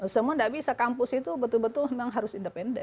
semua tidak bisa kampus itu betul betul memang harus independen